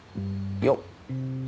よっ。